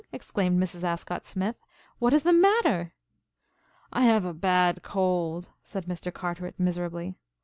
exclaimed Mrs. Ascott Smith. "What is the matter?" "I have a bad cold," said Mr. Carteret miserably.